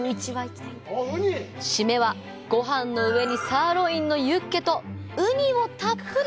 締めは、ごはんの上にサーロインのユッケとウニをたっぷり！